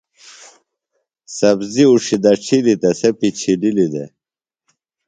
سبزیۡ اُڇھیۡ دڇھلیۡ تہ سےۡ پڇھلِیلیۡ دےۡ۔